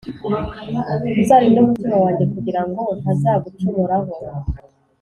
Uzarinde umutima wanjye kugirango ntazagucumuraho